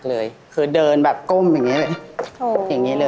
เหมือนทำใช่ป่ะ